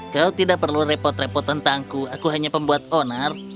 kau tidak perlu repot repot tentangku aku hanya pembuat onar